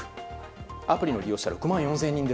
アプリの利用者６万４０００人。